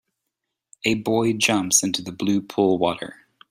a boy jumps into the blue pool water